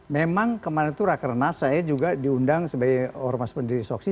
memang kemarin itu rakernas saya juga diundang sebagai ormas pendiri soksi